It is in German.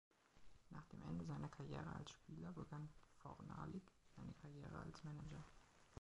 Nach dem Ende seiner Karriere als Spieler, begann Fornalik eine Karriere als Manager.